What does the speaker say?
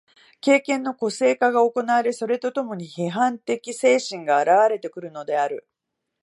経験の個性化が行われ、それと共に批判的精神が現われてくるのである。